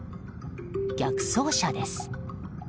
逆走車です。